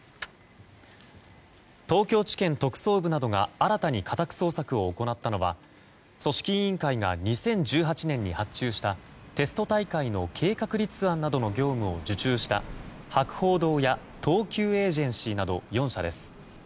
東京地検特捜部などが新たに家宅捜索を行ったのは組織委員会が２０１８年に発注したテスト大会の計画立案などの業務を受注した博報堂や東急エージェンシーなど４社です。